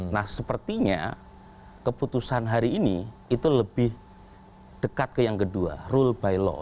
nah sepertinya keputusan hari ini itu lebih dekat ke yang kedua rule by law